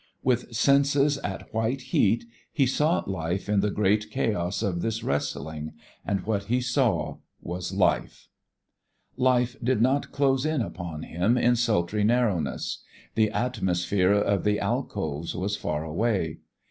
With senses at white heat he sought life in the great chaos of this wrestling, and what he saw was Life. Life did not close in about him in sultry narrowness: the atmosphere of the alcoves was far away.